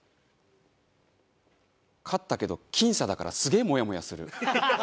勝ったけど僅差だからすげえもやもやする。